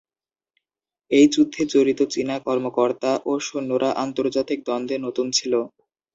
এই যুদ্ধে জড়িত চীনা কর্মকর্তা ও সৈন্যরা আন্তর্জাতিক দ্বন্দ্বে নতুন ছিল।